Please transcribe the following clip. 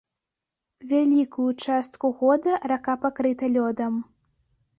Вялікую частку года рака пакрыта лёдам.